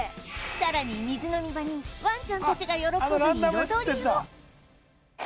さらに水飲み場にワンちゃんたちが喜ぶ彩りを